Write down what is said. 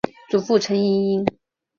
祖父陈尹英。